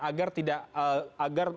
agar tidak agar